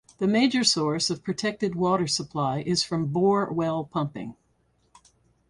The major source of protected water supply is from bore well pumping.